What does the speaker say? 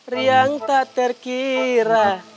riang tak terkira